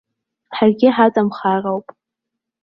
Ҳаргьы ҳаҵамхароуп.